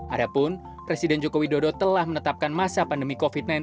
adapun presiden joko widodo telah menetapkan masa pandemi covid sembilan belas